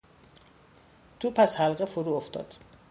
توپ از حلقه فرو افتاد.